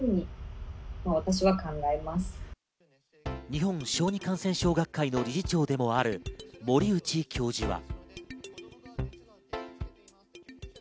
日本小児感染症学会の理事長でもある森内教授は。